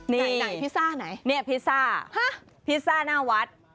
นี่พิซซ่าไหนฮะพิซซ่าหน้าวัด